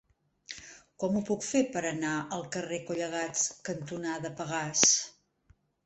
Com ho puc fer per anar al carrer Collegats cantonada Pegàs?